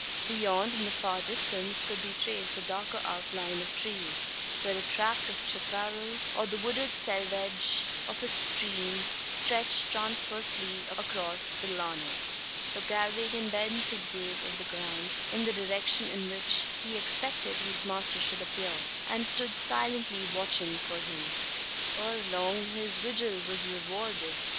Beyond, in the far distance, could be traced the darker outline of trees where a tract of chapparal, or the wooded selvedge of a stream stretched transversely across the llano. The Galwegian bent his gaze over the ground, in the direction in which he expected his master should appear; and stood silently watching for him. Ere long his vigil was rewarded.